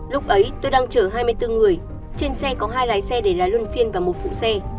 lúc ấy tôi đang chở hai mươi bốn người trên xe có hai lái xe để là luân phiên và một phụ xe